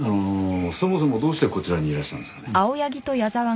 そもそもどうしてこちらにいらしたんですかね？